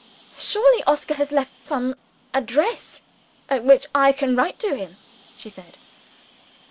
"Surely Oscar has left some address at which I can write to him?" she said.